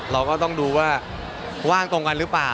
เราก็ต้องดูว่าว่างตรงกันหรือเปล่า